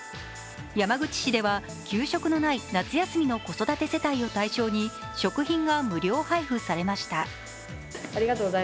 山口市では給食のない夏休みの子育て世帯を対象に食品が無料配布されました。